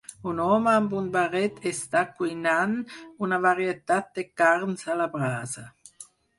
Un home amb un barret està cuinant una varietat de carns a la brasa.